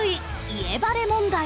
家バレ問題］